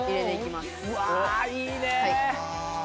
うわあいいね。